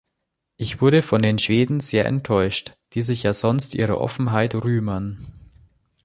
Ich wurde von den Schweden sehr enttäuscht, die sich ja sonst ihrer Offenheit rühmen.